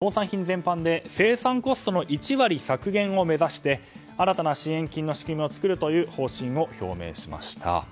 これは、農産品全般で生産コストの１割削減を目指してい新たな支援金の仕組みを作る方針を表明しました。